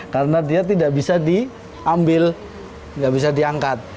karena dia tidak bisa diambil tidak bisa diangkat